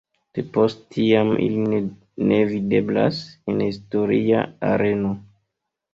De post tiam ili ne videblas en historia areno.